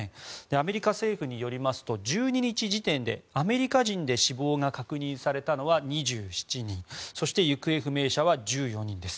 アメリカ政府によりますと１２日時点でアメリカ人で死亡が確認されたのは２７人そして行方不明者は１４人です。